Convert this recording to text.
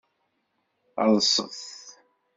Ḍset!